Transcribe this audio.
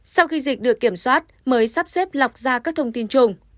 sau khi dịch được kiểm soát mới sắp xếp lọc ra các thông tin trùng